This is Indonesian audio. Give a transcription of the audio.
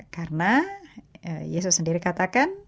karena yesus sendiri katakan